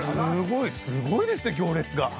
すごいですね行列が。